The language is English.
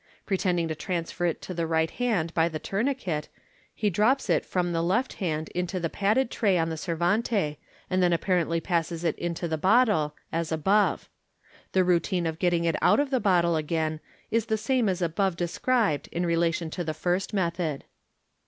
Pretending to transfer it to the right hand by the tourniquet, he drops it from the left hand into the padded tray on the servante, and then apparently passes it into the bottle, as above. The routine of getting it out of the bottle again is the same as above described in relation to the first method.